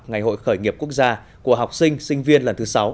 ngày hội khởi nghiệp quốc gia của học sinh sinh viên lần thứ sáu